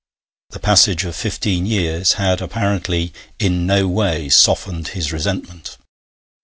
The passage of fifteen years had apparently in no way softened his resentment.